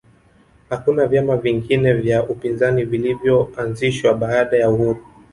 hakuna vyama vingine vya upinzani vilivyoanzishwa baada ya uhuru